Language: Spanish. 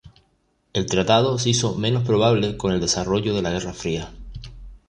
El tratado se hizo menos probable con el desarrollo de la Guerra Fría.